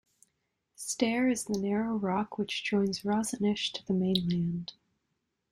Steir is the narrow rock which joins Rosinish to the mainland.